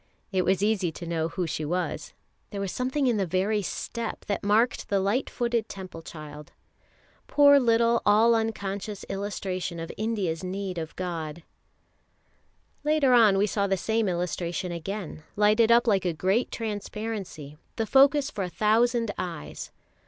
It was easy to know who she was, there was something in the very step that marked the light footed Temple child. Poor little all unconscious illustration of India's need of God! Later on we saw the same illustration again, lighted up like a great transparency, the focus for a thousand eyes.